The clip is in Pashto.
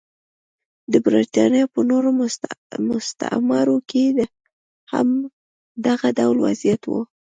د برېټانیا په نورو مستعمرو کې هم دغه ډول وضعیت و.